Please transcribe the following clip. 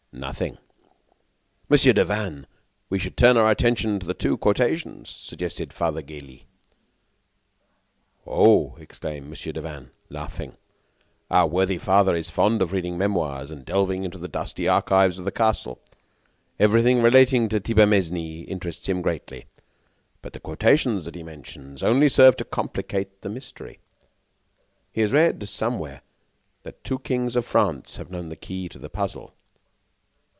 "Nothing." "Mon. Devanne, we should turn our attention to the two quotations," suggested Father Gélis. "Oh!" exclaimed Mon. Devanne, laughing, "our worthy father is fond of reading memoirs and delving into the musty archives of the castle. Everything relating to Thibermesnil interests him greatly. But the quotations that he mentions only serve to complicate the mystery. He has read somewhere that two kings of France have known the key to the puzzle."